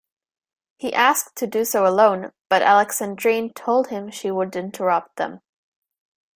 He asked to do so alone, but Alexandrine told him she would interrupt them.